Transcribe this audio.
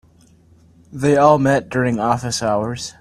They all met during office hours.